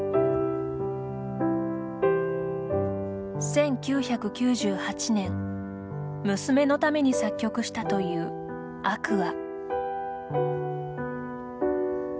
１９９８年、娘のために作曲したという「Ａｑｕａ」。